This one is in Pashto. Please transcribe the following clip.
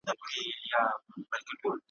ستا د وعدې په توره شپه کي مرمه ,